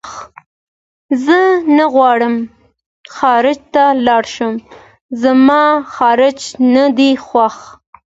زه نه غواړم خارج ته لاړ شم زما خارج نه دی خوښ